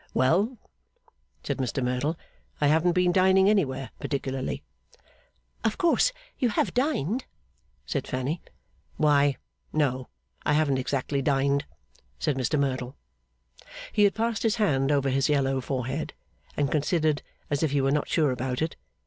'Well,' said Mr Merdle, 'I haven't been dining anywhere, particularly.' 'Of course you have dined?' said Fanny. 'Why no, I haven't exactly dined,' said Mr Merdle. He had passed his hand over his yellow forehead and considered, as if he were not sure about it.